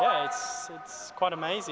jadi ya ini sangat luar biasa